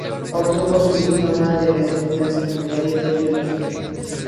Obtuvo su diploma de la escuela secundaria en Biología.